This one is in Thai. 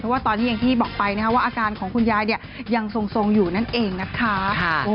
ว่าตอนนี้อย่างที่บอกไปว่าอาการของคุณยายยังทรงอยู่นั่นเองนะคะ